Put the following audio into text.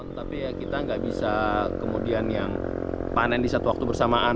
tapi ya kita nggak bisa kemudian yang panen di satu waktu bersamaan